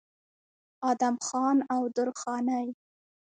ادم خان او درخانۍ